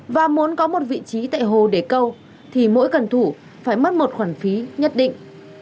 và muốn có một vị trí tại hồ để câu thì mỗi cần thủ phải mất một khoản phí nhất định